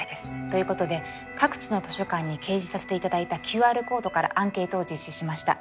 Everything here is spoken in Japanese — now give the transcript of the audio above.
ということで各地の図書館に掲示させて頂いたＱＲコードからアンケートを実施しました。